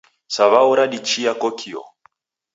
Saw'au radichia kokio